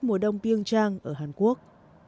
mùa đông biên trang ở hàn quốc